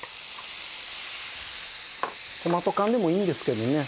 トマト缶でもいいんですけどね